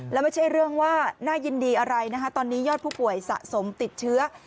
แล้วไม่ใช่เรื่องว่าน่ายินดีอะไรนะคะตอนนี้ยอดผู้ป่วยสะสมติดเชื้อ